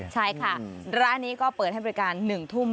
ใช่ค่ะร้านนี้ก็เปิดให้บริการ๑ทุ่ม